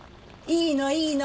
いいのいいの。